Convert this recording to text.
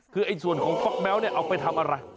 คือไอ้ส่วนของฟักแมวเนี่ยเอาไปทำอะไร